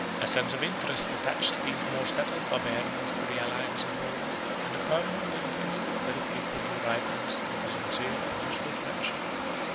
A sense of interest attached these more settled barbarians to the alliance of Rome, and a permanent interest very frequently ripens into sincere and useful friendship.